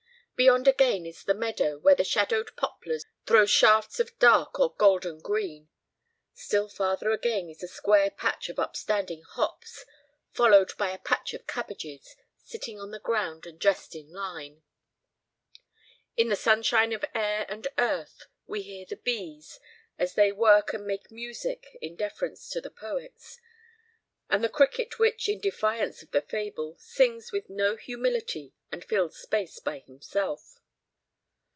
Beyond again is the meadow, where the shadowed poplars throw shafts of dark or golden green. Still farther again is a square patch of upstanding hops, followed by a patch of cabbages, sitting on the ground and dressed in line. In the sunshine of air and of earth we hear the bees, as they work and make music (in deference to the poets), and the cricket which, in defiance of the fable, sings with no humility and fills Space by himself.